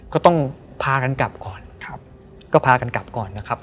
ก็ต้องพากันกลับก่อน